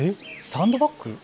サンドバック？